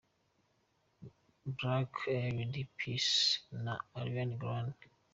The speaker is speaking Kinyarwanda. Black Eyed Peas na Ariana Grande.